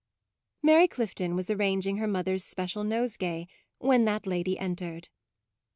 Mary Clifton was arranging her mother's special nosegay when that lady entered.